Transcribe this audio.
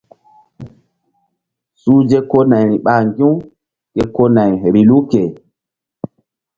Suhze ko nayri ɓa ŋgi̧-u ke ko nay vbilu ke.